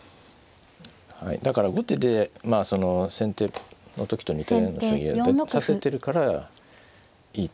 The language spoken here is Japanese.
はいだから後手で先手の時と似たような将棋をやって指せてるからいいと。